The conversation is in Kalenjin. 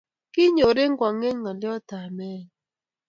Konyor eng' kwong'et ng'alyot ap meennyu.